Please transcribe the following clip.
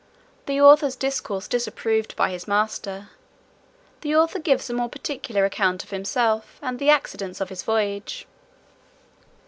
The author's discourse disapproved by his master. The author gives a more particular account of himself, and the accidents of his voyage.